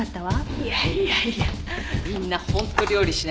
いやいやいやみんな本当料理しないんだね。